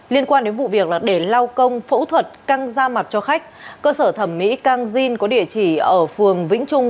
liên quan đến vụ việc để lao công phẫu thuật căng da mặt cho khách cơ sở thẩm mỹ cang jin có địa chỉ ở phường vĩnh trung